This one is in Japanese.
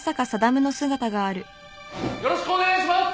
よろしくお願いします！